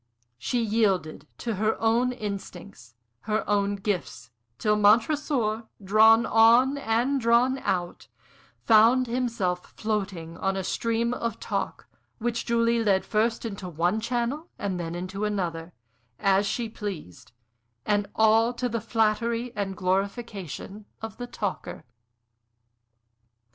She yielded to her own instincts, her own gifts, till Montresor, drawn on and drawn out, found himself floating on a stream of talk, which Julie led first into one channel and then into another, as she pleased; and all to the flattery and glorification of the talker.